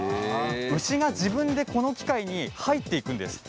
牛が自分でこの器械に入っていくんです。